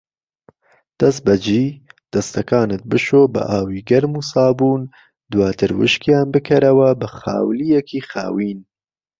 دەستبەجی دەستەکانت بشۆ بە ئاوی گەرم و سابوون، دواتر وشکیان بکەرەوە بە خاولیەکی خاوین.